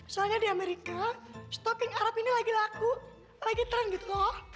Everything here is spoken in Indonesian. soalnya di amerika stocking arab ini lagi laku lagi tren gitu loh